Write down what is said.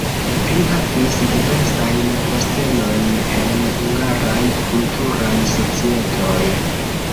Li havis diversajn postenojn en hungaraj kulturaj societoj.